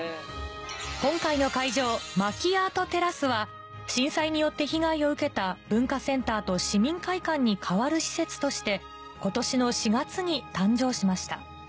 今回の会場震災によって被害を受けた文化センターと市民会館に代わる施設として今年の４月に誕生しました